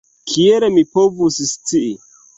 Kiel mi povus scii?